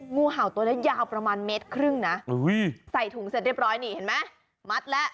งูเห่าตัวนี้ยาวประมาณเมตรครึ่งนะใส่ถุงเสร็จเรียบร้อยนี่เห็นไหมมัดแล้ว